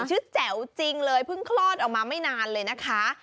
แจ๋วจริงเลยเพิ่งคลอดออกมาไม่นานเลยนะคะ